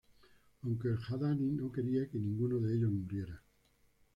Aunque al-Hamdani no quería que ninguno de ellos muriera.